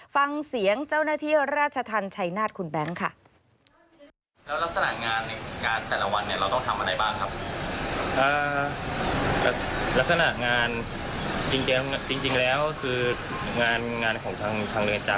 ฟังเสียงเจ้าหน้าที่ราชธรรมชัยนาฏคุณแบงค์ค่ะ